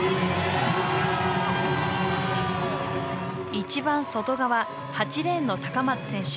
一番外側８レーンの高松選手。